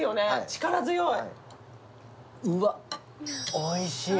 力強い。